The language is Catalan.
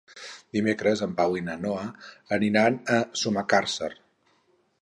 Dimecres en Pau i na Noa aniran a Sumacàrcer.